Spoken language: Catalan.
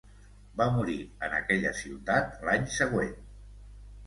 Va morir en aquella ciutat l'any següent.